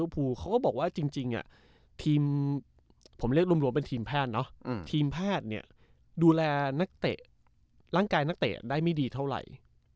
ผมเรียกรวมรวมเป็นทีมแพทย์เนาะทีมแพทย์เนี่ยดูแลนักเตะร่างกายนักเตะได้ไม่ดีเท่าไหร่